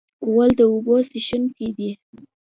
غول د اوبو غوښتونکی دی.